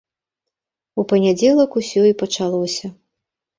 У панядзелак усё і пачалося.